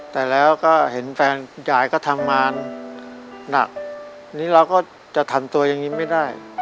แต่แล้วก็เห็นแฟนยายก็ทำงานหนักนี่เราก็จะทำตัวอย่างนี้ไม่ได้